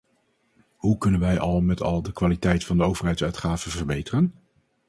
Hoe kunnen wij al met al de kwaliteit van de overheidsuitgaven verbeteren?